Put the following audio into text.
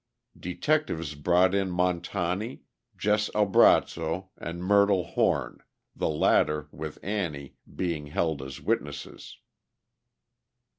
Detectives brought in Montani, Jess Albrazzo and Myrtle Horn, the latter, with Annie, being held as witnesses.